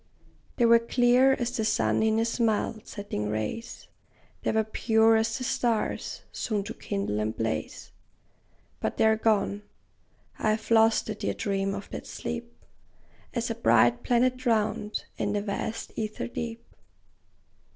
They were clear as the sun in his mild, setting rays; They were pure as the stars, soon to kindle and blaze; But they 're gone! I have lost the dear dream of that sleep, As a bright planet drowned in the vast ether deep.